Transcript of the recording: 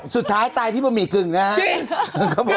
สุดท้ายตายที่บะหมี่กึ่งนะครับผม